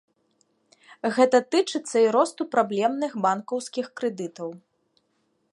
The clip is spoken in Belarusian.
Гэта тычыцца і росту праблемных банкаўскіх крэдытаў.